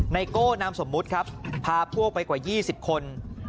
ไโก้นามสมมุติครับพาพวกไปกว่า๒๐คน